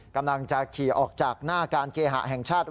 กำลังจะขี่ออกจากหน้าการเคหะแห่งชาติ